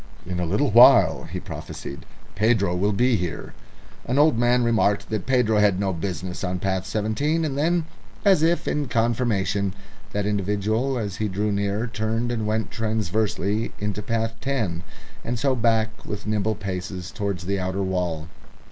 "In a little while," he prophesied, "Pedro will be here." An old man remarked that Pedro had no business on path Seventeen, and then, as if in confirmation, that individual as he drew near turned and went transversely into path Ten, and so back with nimble paces towards the outer wall.